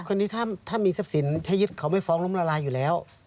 คนนี้ถ้ามีทรัพย์สินถ้ายึดเขาไม่ฟ้องล้มละลายอยู่แล้ว